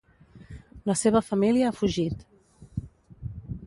La seva família ha fugit.